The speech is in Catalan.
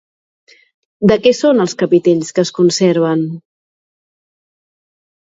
De què són els capitells que es conserven?